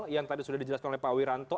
yang tadi sudah dijelaskan oleh pak wiranto